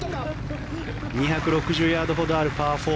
２６０ヤードほどあるパー４。